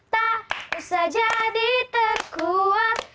tak usah jadi terkuat